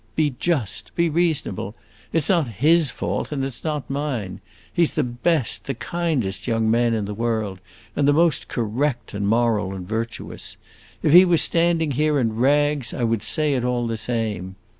Be just, be reasonable! It 's not his fault, and it 's not mine. He 's the best, the kindest young man in the world, and the most correct and moral and virtuous! If he were standing here in rags, I would say it all the same.